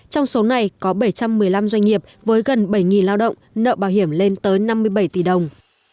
trong số này có bảy trăm một mươi năm doanh nghiệp với gần bảy lao động nợ bảo hiểm lên tới năm mươi bảy tỷ đồng